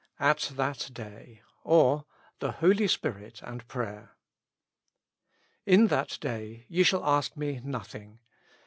«« At that day :" or, The Holy Spirit and Prayer. In that day ye shall ask me nothing.